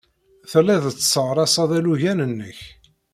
Telliḍ tesseɣraseḍ alugen-nnek.